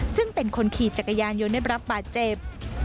ซึ่งเป็นคนขี่จักรยานยนต์ได้รับบาดเจ็บ